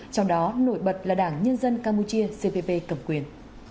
trong đó nổi bật là đảng nhân dân campuchia cpp cầm quyền